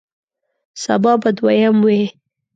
سبا به دویم وی